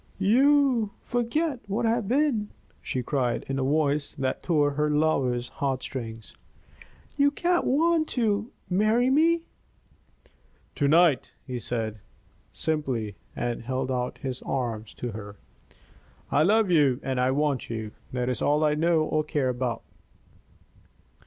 "You forget what I have been!" she cried, in a voice that tore her lover's heartstrings. "You can't want to marry me?" "To night," he said, simply, and held out his arms to her. "I love you and I want you. That is all I know or care about."